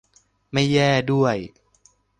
ไม่แย่ด้วย